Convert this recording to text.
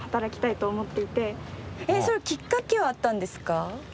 それはきっかけはあったんですか？